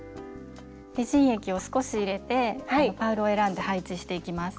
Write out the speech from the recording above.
レジン液を少し入れてパールを選んで配置していきます。